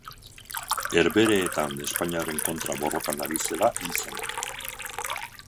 Herbehereetan Espainiaren kontra borrokan ari zela hil zen.